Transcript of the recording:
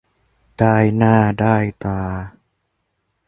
ได้หน้าได้ตา